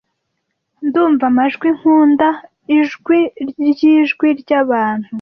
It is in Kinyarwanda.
Ndumva amajwi nkunda, ijwi ryijwi ryabantu,